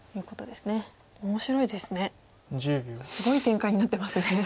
すごい展開になってますね。